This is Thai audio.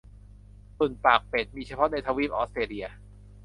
ตุ่นปากเป็ด มีเฉพาะในทวีปออสเตรเลีย